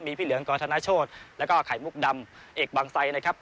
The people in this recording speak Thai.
พี่เหลืองกอธนโชธแล้วก็ไข่มุกดำเอกบางไซนะครับ